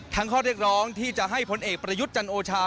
ข้อเรียกร้องที่จะให้พลเอกประยุทธ์จันโอชา